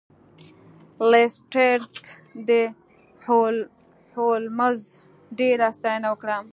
لیسټرډ د هولمز ډیره ستاینه وکړه.